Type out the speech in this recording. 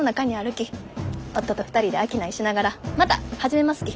夫と２人で商いしながらまた始めますき。